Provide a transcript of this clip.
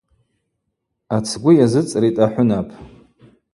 Ацгвы йазыцӏритӏ ахӏвынап.